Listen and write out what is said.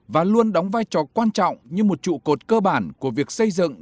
và luôn đóng vai trò quan trọng như một trụ cột cơ bản của việc xây dựng